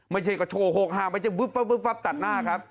ไม่ใช่กระโชว์โหกห้ามไม่ใช่วึบตัดหน้าครับ